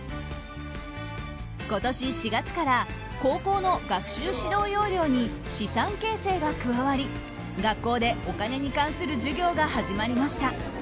今年４月から、高校の学習指導要領に資産形成が加わり学校でお金に関する授業が始まりました。